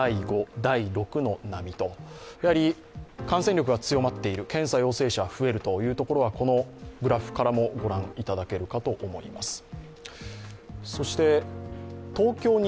感染力が強まっている、検査陽性者が増えるということはこのグラフからも御覧いただけるかと思います。